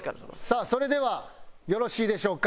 さあそれではよろしいでしょうか？